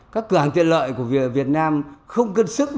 các cửa hàng tiện lợi của việt nam không cân sức với nước ngoài